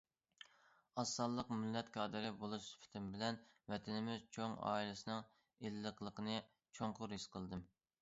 ئاز سانلىق مىللەت كادىرى بولۇش سۈپىتىم بىلەن، ۋەتىنىمىز چوڭ ئائىلىسىنىڭ ئىللىقلىقىنى چوڭقۇر ھېس قىلدىم.